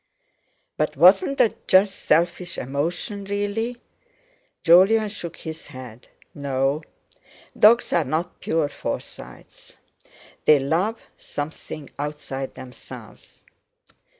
"But wasn't that just selfish emotion, really?" Jolyon shook his head. "No, dogs are not pure Forsytes, they love something outside themselves."